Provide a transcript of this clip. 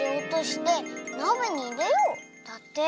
だって。